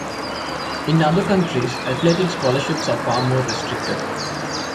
In other countries athletic scholarships are far more restricted.